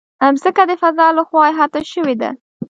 مځکه د فضا له خوا احاطه شوې ده.